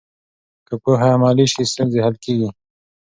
که پوهه عملي شي، ستونزې حل کېږي.